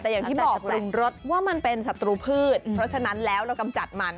แต่อย่างที่บอกแหล่งรถว่ามันเป็นศัตรูพืชเพราะฉะนั้นแล้วเรากำจัดมัน